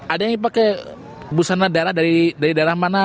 ada yang pakai busana dari daerah mana